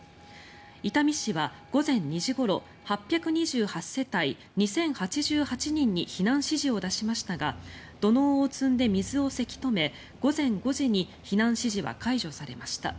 伊丹市は午前２時ごろ８２８世帯２０８８人に避難指示を出しましたが土のうを積んで水をせき止め午前５時に避難指示は解除されました。